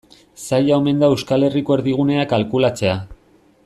Zaila omen da Euskal Herriko erdigunea kalkulatzea.